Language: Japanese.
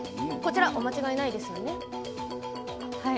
お間違いないですよね？